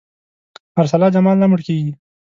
ارسلا جمال نه مړ کېږي.